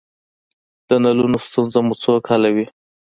د نلونو ستونزې مو څوک حل کوی؟